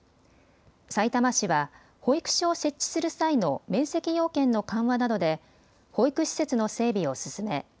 さいたま市は保育所を設置する際の面積要件の緩和などで保育施設の整備を進め